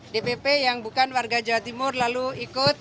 dpp yang bukan warga jawa timur lalu ikut